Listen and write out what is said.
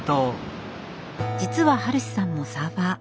実は晴史さんもサーファー。